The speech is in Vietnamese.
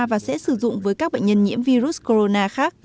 và sẽ sử dụng với các bệnh nhân nhiễm virus corona khác